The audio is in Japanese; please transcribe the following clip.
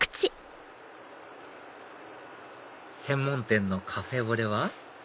専門店のカフェオレは？